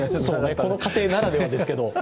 この家庭ならではですけど。